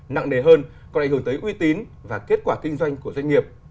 nặng nề hơn còn ảnh hưởng tới uy tín và kết quả kinh doanh của doanh nghiệp